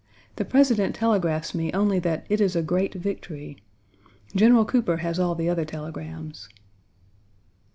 The President telegraphs me only that 'it is a great victory.' General Cooper has all the other telegrams."